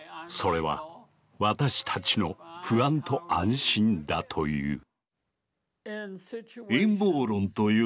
それは私たちの不安と安心だという。